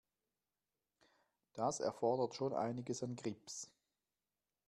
Das erfordert schon einiges an Grips.